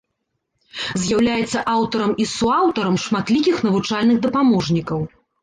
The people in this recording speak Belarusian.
З'яўляецца аўтарам і суаўтарам шматлікіх навучальных дапаможнікаў.